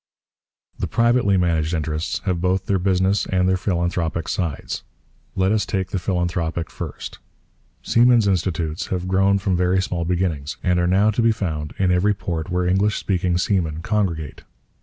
The privately managed interests have both their business and their philanthropic sides. Let us take the philanthropic first. Seamen's Institutes have grown from very small beginnings, and are now to be found in every port where English speaking seamen congregate.